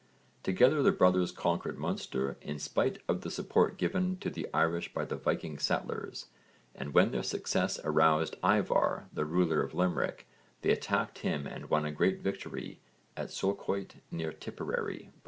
Together the brothers conquered Munster in spite of the support given to the Irish by the Viking settlers, and when their success aroused Ívarr, the ruler of Limerick, they attacked him and won a great victory at Sulcoit near Tipperary (968).